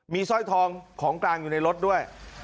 มีสร้อยทองของกลางอยู่ในรถด้วย